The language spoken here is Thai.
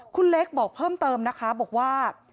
คุณเล็กบอกเพิ่มเติมนะคะบอกว่า